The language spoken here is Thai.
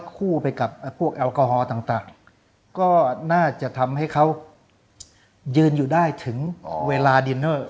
คู่ไปกับพวกแอลกอฮอล์ต่างก็น่าจะทำให้เขายืนอยู่ได้ถึงเวลาดินเนอร์